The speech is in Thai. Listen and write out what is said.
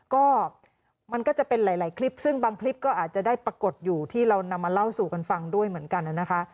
ก็มันก็จะเป็นหลายคลิปซึ่งบางคลิปก็อาจจะได้ปรากฏอยู่ที่เรานำมาเล่าสู่กันฟังด้วยเหมือนกันนะคะ